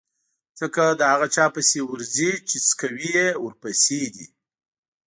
خلک د هغه چا پسې ورځي چې څکوی يې ورپسې دی.